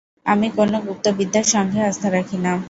আমি কোন গুপ্তবিদ্যা-সঙ্ঘে আস্থা রাখি না।